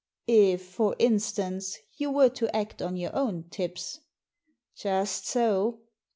"If, for instance, you were to act on your own tips." "Just so."